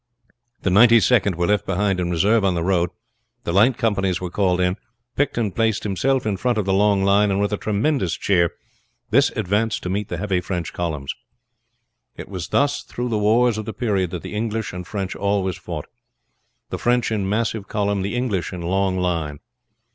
The Ninety second were left behind in reserve on the road, the light companies were called in, Picton placed himself in front of the long line, and with a tremendous cheer this advanced to meet the heavy French columns. It was thus through the wars of the period that the English and French always fought: the French in massive column, the English in long line.